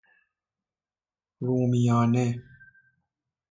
رومیانه